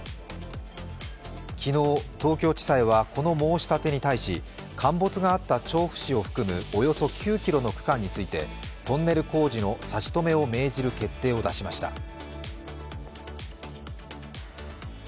昨日、東京地裁はこの申し立てに対し、陥没があった調布市を含むおよそ９ｋｍの区間についてトンネル工事の差し止めを命じる決定を出しました。